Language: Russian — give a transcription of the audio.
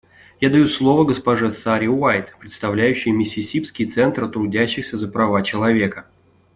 Я даю слово госпоже Саре Уайт, представляющей Миссисипский центр трудящихся за права человека.